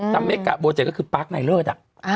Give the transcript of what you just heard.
แต่เมกะโปรเจกต์ก็คือปาร์คไนเลอร์ด